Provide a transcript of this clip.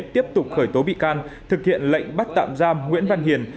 tiếp tục khởi tố bị can thực hiện lệnh bắt tạm giam nguyễn văn hiền